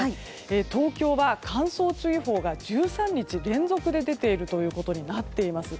東京は乾燥注意報が１３日連続で出ているということになっています。